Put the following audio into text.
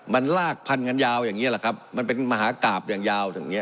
มันลากพันกันยาวอย่างนี้แหละครับมันเป็นมหากราบอย่างยาวอย่างนี้